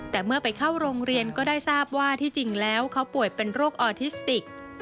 แต่เมื่อไปเข้าโรงเรียนก็ได้ทราบว่าที่จริงแล้วเขาป่วยเป็นโรคออทิสติก